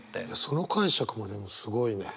その解釈はでもすごいね。